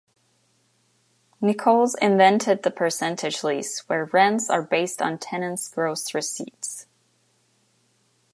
Nichols invented the percentage lease, where rents are based on tenants' gross receipts.